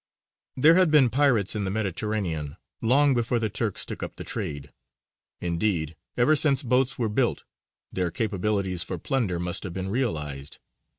_)] There had been pirates in the Mediterranean long before the Turks took up the trade; indeed, ever since boats were built their capabilities for plunder must have been realized.